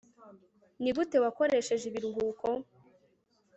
nigute wakoresheje ibiruhuko